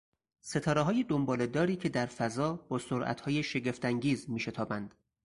ستارههای دنبالهداری که در فضا با سرعتهای شگفتانگیز میشتابند.